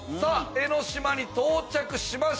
江の島に到着しました。